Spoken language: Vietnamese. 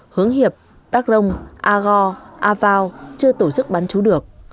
hướng hiệp đắk đông a go a vào chưa tổ chức bán chú được